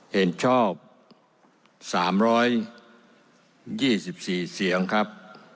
เห็นชอบสามร้อยยี่สิบสี่เสียงครับ